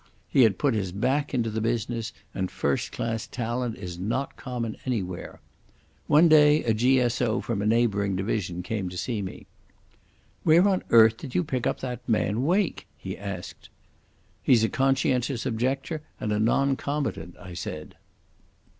He had put his back into the business, and first class talent is not common anywhere. One day a G. S. O. from a neighbouring division came to see me. "Where on earth did you pick up that man Wake?" he asked. "He's a conscientious objector and a non combatant," I said.